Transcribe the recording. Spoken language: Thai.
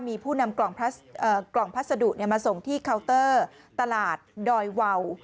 มีผู้นำกล่องพัสดุมาส่งที่เคาน์เตอร์ตลาดดอยวาว